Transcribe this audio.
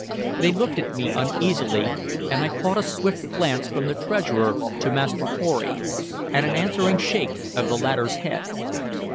They looked at me uneasily, and I caught a swift glance from the Treasurer to Master Pory, and an answering shake of the latter's head.